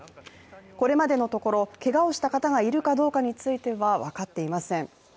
これまでのところ、けがをした方がいるかどうかについては分かっていません。